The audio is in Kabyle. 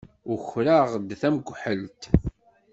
Ukreɣ-d tamekḥelt.